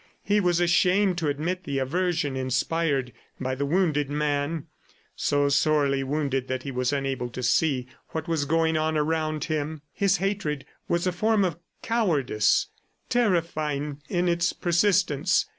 He was ashamed to admit the aversion inspired by the wounded man, so sorely wounded that he was unable to see what was going on around him. His hatred was a form of cowardice, terrifying in its persistence.